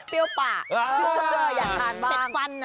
เปรี้ยวปลาอยากทานบ้าง